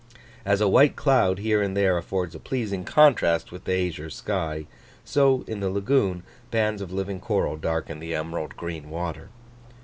As a white cloud here and there affords a pleasing contrast with the azure sky, so in the lagoon, bands of living coral darken the emerald green water.